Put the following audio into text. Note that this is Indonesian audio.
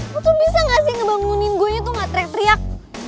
lu tuh bisa ngga sih ngebangunin gue tuh nggak trek teriak